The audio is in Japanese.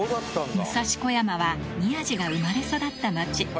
武蔵小山は宮治が生まれ育った街。